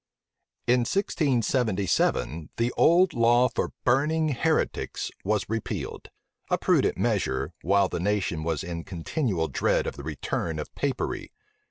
In 1677, the old law for burning heretics was repealed; a prudent measure, while the nation was in continual dread of the return of Papery.